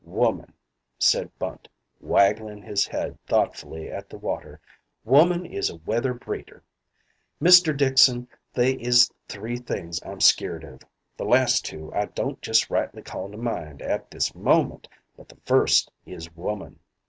Woman," said Bunt, wagging his head thoughtfully at the water, "woman is a weather breeder. Mister Dixon, they is three things I'm skeered of. The last two I don't just rightly call to mind at this moment, but the first is woman.